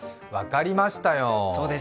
分かりましたよ。